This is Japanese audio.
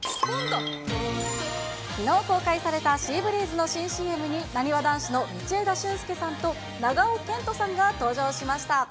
きのう公開されたシーブリーズの新ＣＭに、なにわ男子の道枝駿佑さんと長尾けんとさんが登場しました。